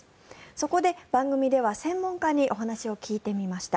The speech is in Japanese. そこで番組では専門家にお話を聞いてみました。